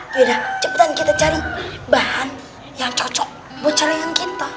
yaudah cepetan kita cari bahan yang cocok buat celengan kita